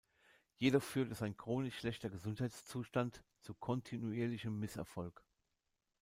Jedoch führte sein chronisch schlechter Gesundheitszustand zu kontinuierlichem Misserfolg.